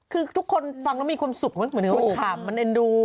คือทุกคนฟังแล้วมีความสุขมันเหมือนมันขำมันเอ็นดู